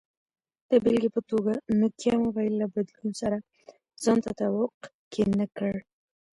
د بېلګې په توګه، نوکیا موبایل له بدلون سره ځان تطابق کې نه کړ.